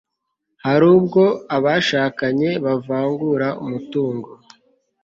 hari ubwo abashakanye bavangura umutungo